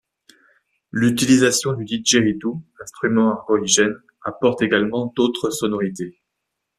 L'utilisation du Didgeridoo, instrument aborigène, apporte également d'autres sonorités.